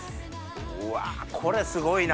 うわこれすごいな。